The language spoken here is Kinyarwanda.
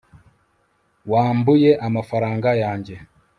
wambuye amafaranga yanjye